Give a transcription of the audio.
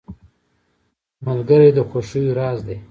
ملګری د خوښیو راز دی.